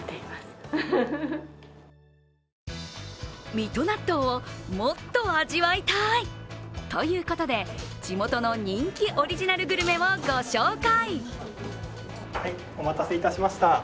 水戸納豆をもっと味わいたいということで、地元の人気オリジナルグルメをご紹介。